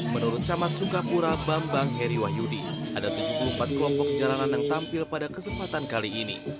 menurut camat sukapura bambang heri wahyudi ada tujuh puluh empat kelompok jalanan yang tampil pada kesempatan kali ini